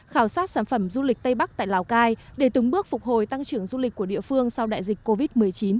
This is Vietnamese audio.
khảo sát sản phẩm du lịch tây bắc tại lào cai để từng bước phục hồi tăng trưởng du lịch của địa phương sau đại dịch covid một mươi chín